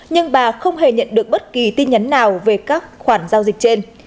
nhưng bà không hề nhận được bất kỳ tin nhắn nào về các khoản giao dịch trên